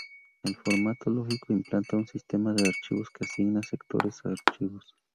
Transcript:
El formato lógico implanta un sistema de archivos que asigna sectores a archivos.